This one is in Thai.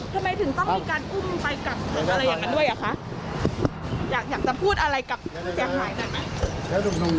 ทำไมถึงต้องมีการอุ้มไปกับอะไรอย่างนั้นด้วยอ่ะคะอยากจะพูดอะไรกับแสงหลายหน้าไหม